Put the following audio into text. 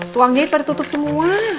tuang jahit baru tutup semua